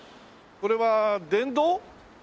これは電動？